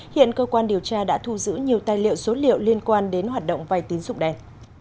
hiện cơ quan điều tra đã thu giữ nhiều tài liệu số liệu liên quan đến hoạt động vay tín dụng đen